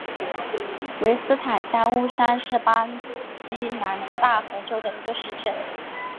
维斯塔加乌沙是巴西南大河州的一个市镇。